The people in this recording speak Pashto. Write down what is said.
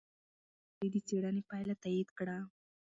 پېیر کوري د څېړنې پایله تایید کړه.